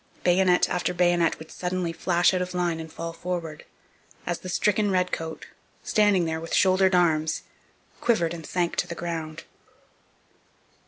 Bayonet after bayonet would suddenly flash out of line and fall forward, as the stricken redcoat, standing there with shouldered arms, quivered and sank to the ground.